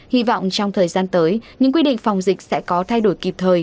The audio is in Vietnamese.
hy vọng trong thời gian tới những quy định phòng dịch sẽ có thay đổi kịp thời